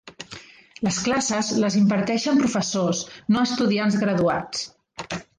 Les classes les imparteixen professors, no estudiants graduats.